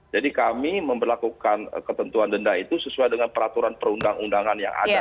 jadi kami memperlakukan ketentuan denda itu sesuai dengan peraturan perundang undangan yang ada